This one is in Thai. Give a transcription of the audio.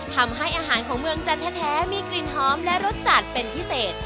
ทำให้อาหารของเมืองจันทร์แท้มีกลิ่นหอมและรสจัดเป็นพิเศษ